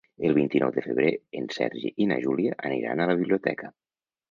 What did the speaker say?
El vint-i-nou de febrer en Sergi i na Júlia aniran a la biblioteca.